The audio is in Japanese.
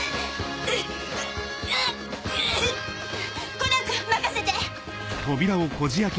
コナンくん任せて！